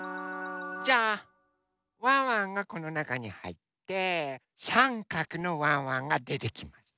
じゃあワンワンがこのなかにはいってさんかくのワンワンがでてきます。